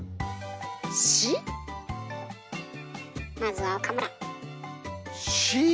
まずは岡村。